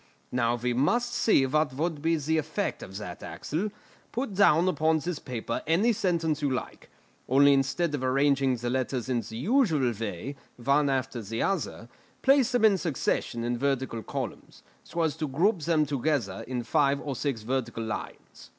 "Now we must see what would be the effect of that, Axel; put down upon this paper any sentence you like, only instead of arranging the letters in the usual way, one after the other, place them in succession in vertical columns, so as to group them together in five or six vertical lines."